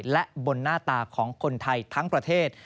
และบนหน้าตาของคนไทยทั้งประเทศ